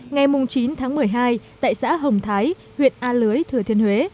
ngày chín tháng một mươi hai tại xã hồng thái huyện a lưới thừa thiên huế